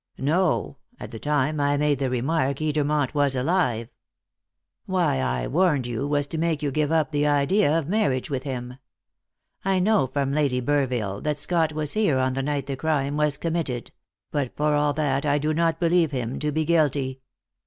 "No. At the time I made the remark Edermont was alive. Why I warned you was to make you give up the idea of marriage with him. I know from Lady Burville that Scott was here on the night the crime was committed; but for all that I do not believe him to be guilty."